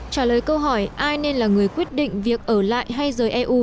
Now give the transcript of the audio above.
trả lời câu hỏi ai nên là người quyết định việc ở lại hay rời eu